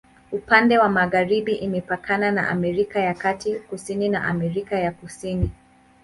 Upande wa magharibi imepakana na Amerika ya Kati, kusini na Amerika ya Kusini.